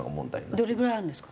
どれぐらいあるんですか？